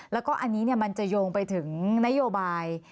แล้วก็อันนี้มันจะโยงไปถึงนโยบาย